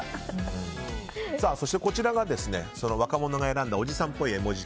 そして、こちらが若者が選んだおじさんっぽい絵文字。